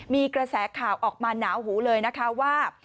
มีกระแสข่าวออกมาหนาวหูเลยนะคะว่า